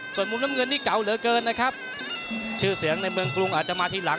ส่วนมุมน้ำเงินนี่เก่าเหลือเกินนะครับชื่อเสียงในเมืองกรุงอาจจะมาทีหลัง